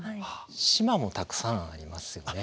島もたくさんありますよね。